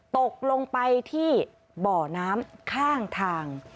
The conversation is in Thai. ตกลงไปที่บ่อน้ำข้างทาง